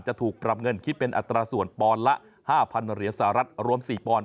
จะถูกปรับเงินคิดเป็นอัตราส่วนปอนด์ละ๕๐๐เหรียญสหรัฐรวม๔ปอนด